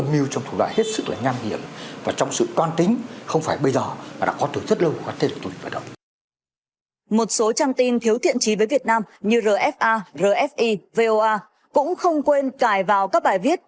một số trang tin thiếu thiện trí với việt nam như rfa rfi voa cũng không quên cài vào các bài viết